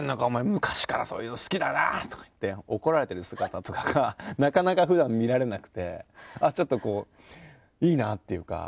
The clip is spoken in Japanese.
昔から、そういうの好きだなって怒られてる姿とかがなかなか普段見られなくていいなっていうか。